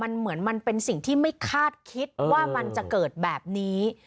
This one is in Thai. มันเหมือนมันเป็นสิ่งที่ไม่คาดคิดว่ามันจะเกิดแบบนี้